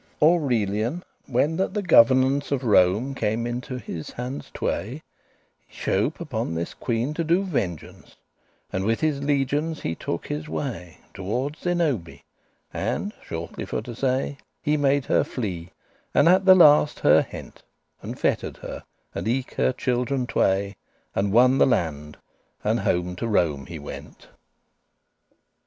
Aurelian, when that the governance Of Rome came into his handes tway, <15> He shope* upon this queen to do vengeance; *prepared And with his legions he took his way Toward Zenobie, and, shortly for to say, He made her flee, and at the last her hent,* *took And fetter'd her, and eke her children tway, And won the land, and home to Rome he went.